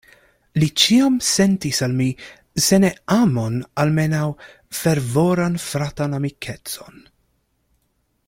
Li ĉiam sentis al mi, se ne amon, almenaŭ fervoran fratan amikecon.